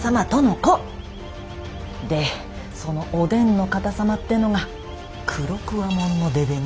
でそのお伝の方様ってのが黒鍬もんの出でね。